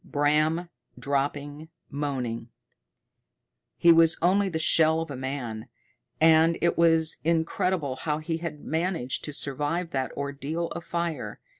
Bram dropping, moaning; he was only the shell of a man, and it was incredible how he had managed to survive that ordeal of fire.